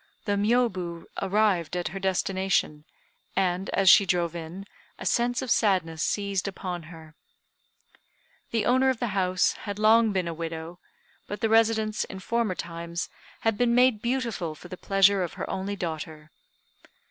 The Miôbu arrived at her destination; and, as she drove in, a sense of sadness seized upon her. The owner of the house had long been a widow; but the residence, in former times, had been made beautiful for the pleasure of her only daughter.